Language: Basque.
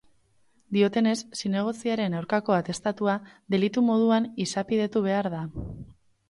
Diotenez, zinegotziaren aurkako atestatua delitu moduan izapidetu behar da.